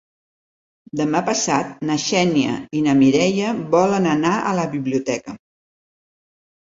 Demà passat na Xènia i na Mireia volen anar a la biblioteca.